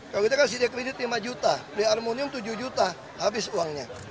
kalau kita kasih dia kredit lima juta beli aluminium tujuh juta habis uangnya